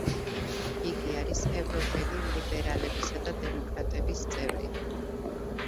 იგი არის ევროპელი ლიბერალებისა და დემოკრატების წევრი.